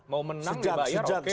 mau menang ya pak yer oke